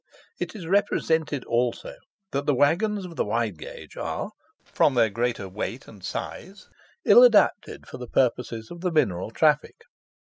It is represented also that the waggons of the wide gauge are, from their greater weight and size, ill adapted for the purposes of the mineral traffic.